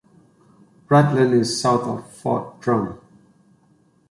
Rutland is south of Fort Drum.